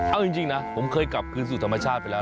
เอาจริงนะผมเคยกลับคืนสู่ธรรมชาติไปแล้ว